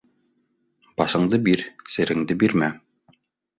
Башыңды бир, сереңде бирмә.